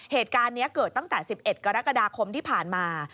เหตุการณ์นี้เกิดตั้งแต่๑๑กรกฎาคมที่ผ่านมา